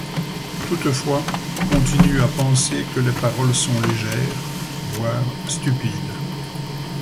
Toutefois, continuent à penser que les paroles sont légères, voire stupides.